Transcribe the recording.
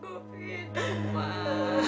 tuk mau beritahu mak